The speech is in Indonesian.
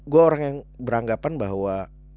gue orang yang beranggapan bahwa